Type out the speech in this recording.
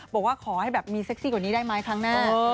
บอกว่าขอให้แบบมีเซ็กซี่กว่านี้ได้ไหมครั้งหน้า